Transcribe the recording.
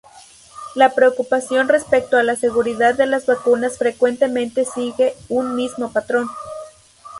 La preocupación respecto a la seguridad de las vacunas frecuentemente sigue un mismo patrón.